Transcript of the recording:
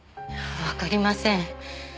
わかりません。